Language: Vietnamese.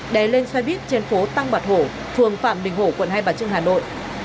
đè lên xoay bíp trên phố tăng bạch hổ phường phạm bình hổ quận hai bà trưng hà nội